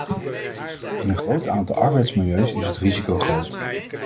In een groot aantal arbeidsmilieus is het risico groot.